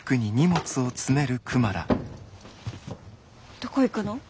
どこ行くの？